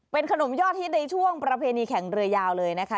เป็นขนมยอดฮิตในช่วงประเพณีแข่งเรือยาวเลยนะคะ